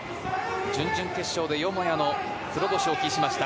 準々決勝でよもやの黒星を喫しました。